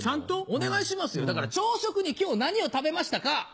お願いしますよだから朝食に今日何を食べましたか？